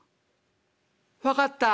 「分かったあ。